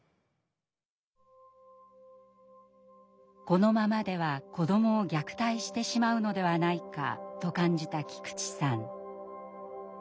このままでは子どもを虐待してしまうのではないかと感じた菊池さん。